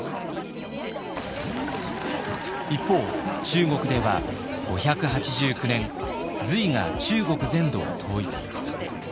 一方中国では５８９年隋が中国全土を統一。